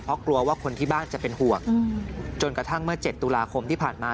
เพราะกลัวว่าคนที่บ้านจะเป็นห่วงจนกระทั่งเมื่อ๗ตุลาคมที่ผ่านมา